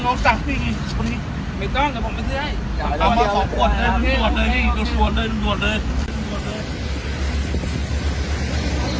ไม่ต้องไม่ต้องไม่ต้อง